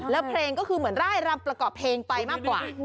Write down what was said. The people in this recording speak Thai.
แล้วเพลงก็คือเหมือนร่ายรำประกอบเพลงไปมากกว่า